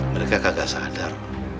mereka gak sadar